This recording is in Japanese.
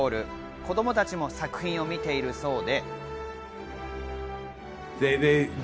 子供たちも作品を見ているそうで。